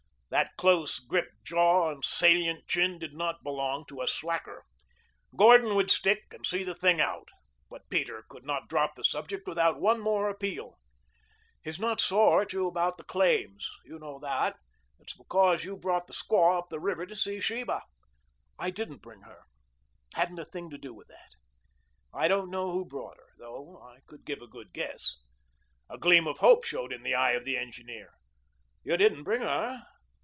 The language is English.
That close gripped jaw and salient chin did not belong to a slacker. Gordon would stick and see the thing out. But Peter could not drop the subject without one more appeal. "He's not sore at you about the claims. You know that. It's because you brought the squaw up the river to see Sheba." "I didn't bring her hadn't a thing to do with that. I don't know who brought her, though I could give a good guess." A gleam of hope showed in the eye of the engineer. "You didn't bring her?